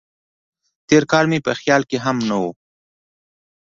تېر کال مې په خیال کې هم نه و.